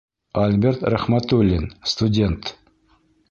Альберт РӘХМӘТУЛЛИН, студент: